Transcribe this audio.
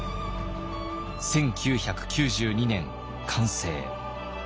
１９９２年完成。